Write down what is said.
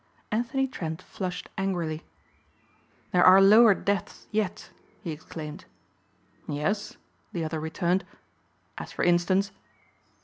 Anthony Trent flushed angrily. "There are lower depths yet," he exclaimed. "Yes?" the other returned, "as for instance?"